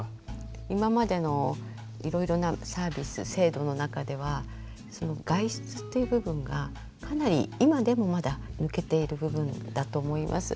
今までのいろいろなサービス制度の中では外出っていう部分がかなり今でもまだ抜けている部分だと思います。